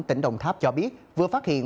tỉnh đồng tháp cho biết vừa phát hiện